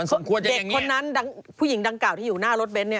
เด็กคนนั้นผู้หญิงดังกล่าที่อยู่หน้ารถเบนท์เนี่ย